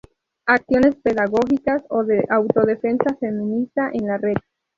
acciones pedagógicas o de autodefensa feminista en la red